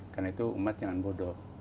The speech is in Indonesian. karena itu umat jangan bodoh